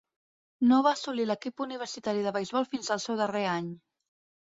No va assolir l'equip universitari de beisbol fins el seu darrer any.